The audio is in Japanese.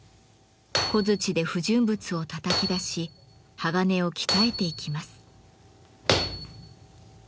小づちで不純物をたたき出し鋼を鍛えていきます。